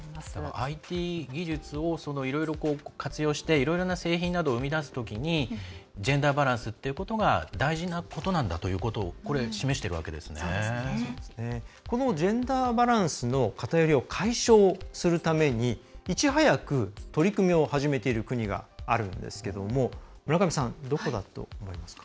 ＩＴ技術をいろいろと活用していろいろな製品などを生み出すときにジェンダーバランスっていうこと大事なことなんだということをこのジェンダーバランスの偏りを解消するためにいち早く取り組みを始めている国があるんですけれども村上さん、どこだと思いますか？